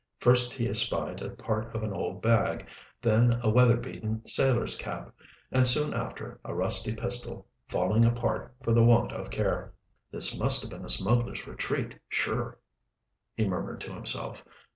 First he espied a part of an old bag, then a weather beaten sailor's cap, and soon after a rusty pistol, falling apart for the want of care. "This must have been a smugglers' retreat sure," he murmured to himself.